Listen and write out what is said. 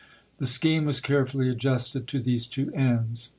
" The scheme was carefully adjusted to these two ends.